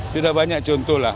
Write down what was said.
sudah banyak contoh lah